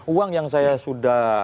uang yang saya sudah